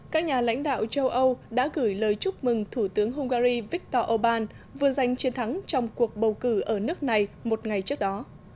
các nhà lãnh đạo châu âu đã gửi lời chúc mừng thủ tướng hungary viktor orbán vừa giành chiến thắng trong cuộc bầu cử ở nước này một ngày trước đó